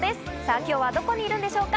今日は、どこにいるんでしょうか。